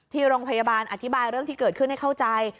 ที่โรงพยาบาลอธิบายเรื่องที่เกิดขึ้นให้เข้าใจ